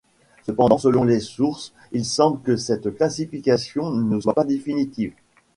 Cependant selon les sources, il semble que cette classification ne soit pas définitive.